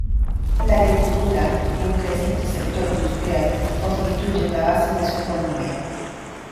La agricultura y un creciente sector industrial constituyen la base de su economía.